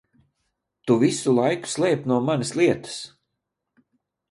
Tu visu laiku slēp no manis lietas!